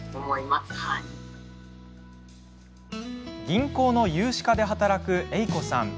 銀行の融資課で働くエイコさん。